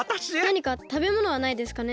なにかたべものはないですかね？